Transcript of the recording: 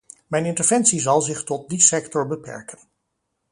Mijn interventie zal zich tot die sector beperken.